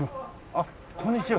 あっこんにちは。